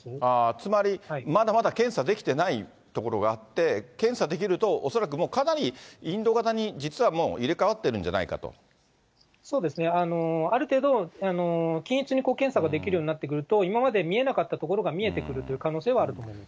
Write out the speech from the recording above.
つまり、まだまだ検査できてない所があって、検査できると恐らくもうかなりインド型に実はもう入れ替わってるそうですね、ある程度、均一に検査ができるようになってくると、今まで見えなかったところが見えてくるという可能性はあると思います。